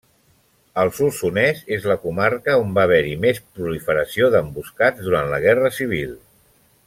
El Solsonès és la comarca on va haver-hi més proliferació d'emboscats durant la Guerra Civil.